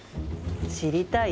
知りたい？